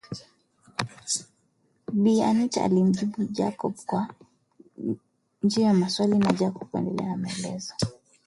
Bi Anita alimjibu Jacob kwa njia ya maswali na Jacob kuendelea kusikiliza maelezo